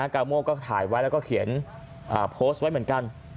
กาโม่ก็ถ่ายไว้แล้วก็เขียนโพสต์ไว้เหมือนกัน